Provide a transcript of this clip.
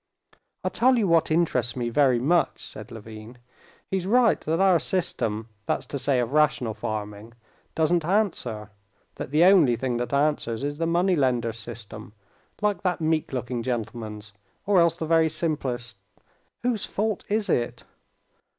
"I'll tell you what interests me very much," said Levin. "He's right that our system, that's to say of rational farming, doesn't answer, that the only thing that answers is the money lender system, like that meek looking gentleman's, or else the very simplest.... Whose fault is it?"